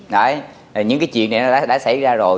đấy những cái chuyện này đã xảy ra rồi